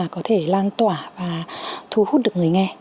có thể lan tỏa và thu hút được người nghe